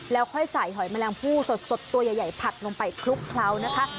แล้วค่อยใส่หอยแมลงผู้สดตัวใหญ่ผัดลงไปคลุกเคล้านะคะ